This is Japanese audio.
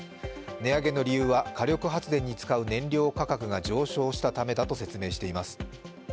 値上げの理由は、火力電力に使う燃料価格が上昇したためだと説明しています。